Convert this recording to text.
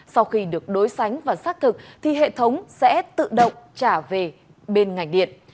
sau khi được đối sánh và xác thực thì hệ thống sẽ tự động trả về bên ngành điện